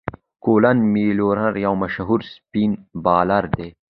کولن میلیر یو مشهور سپېن بالر دئ.